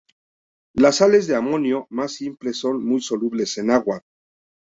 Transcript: Las sales de amonio más simples son muy solubles en agua.